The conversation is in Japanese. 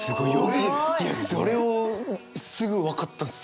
いやそれをすぐ分かった。